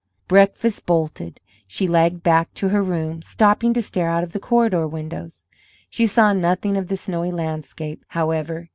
Breakfast bolted, she lagged back to her room, stopping to stare out of the corridor windows. She saw nothing of the snowy landscape, however.